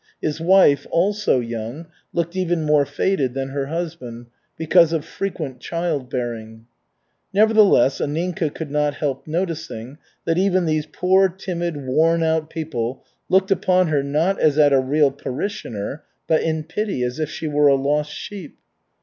His wife, also young, looked even more faded than her husband, because of frequent child bearing. Nevertheless, Anninka could not help noticing that even these poor timid, worn out people looked upon her not as at a real parishioner, but in pity, as if she were a lost sheep.